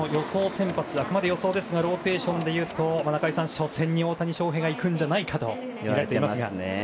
先発、あくまで予想ですがローテーションでいくと中居さん、初戦に大谷翔平が行くんじゃないかとみられていますが。